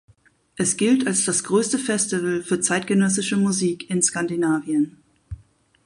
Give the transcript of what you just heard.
Es gilt als das größte Festival für zeitgenössische Musik in Skandinavien.